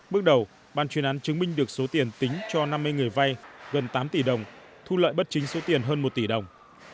bước đầu ban chuyên án chứng minh được số tiền tính cho năm mươi người vay gần tám tỷ đồng thu lợi bất chính số tiền hơn một tỷ đồng